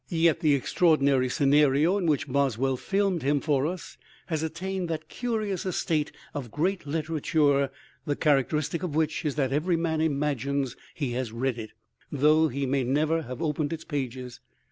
Yet the extraordinary scenario in which Boswell filmed him for us has attained that curious estate of great literature the characteristic of which is that every man imagines he has read it, though he may never have opened its pages.